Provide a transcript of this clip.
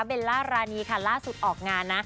เบลล่ารานีค่ะล่าสุดออกงานนะ